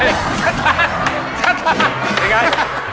ตีตีวะวิ้ย